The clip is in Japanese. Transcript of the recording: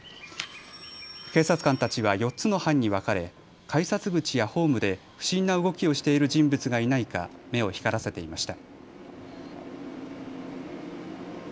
警察官たちは４つの班に分かれ改札口やホームで不審な動きをしている人物がいないか目を光らせていました。